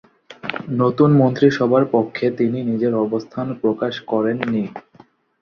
নতুন মন্ত্রিসভার পক্ষে তিনি নিজের অবস্থান প্রকাশ করেননি।